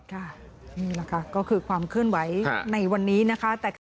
ค่ะนี่แหละค่ะก็คือความเคลื่อนไหวในวันนี้นะคะ